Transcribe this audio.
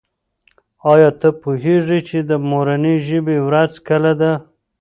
آیا ته پوهېږې چې د مورنۍ ژبې ورځ کله ده؟